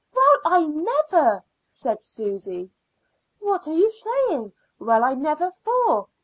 "Well, I never!" said Susy. "What are you saying, 'Well, I never!' for?"